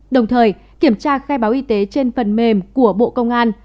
đồng thời kiểm tra khai báo y tế trên phần mềm của bộ công an